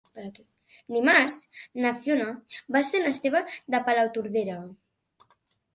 Dimarts na Fiona va a Sant Esteve de Palautordera.